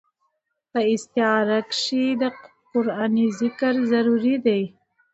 په استعاره کښي د قرينې ذکر ضروري دئ.